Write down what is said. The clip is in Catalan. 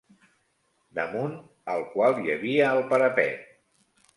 Damunt el qual hi havia el parapet.